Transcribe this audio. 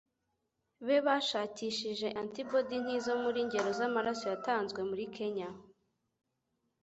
be bashakishije antibodi nk'izo mu ngero z'amaraso yatanzwe muri Kenya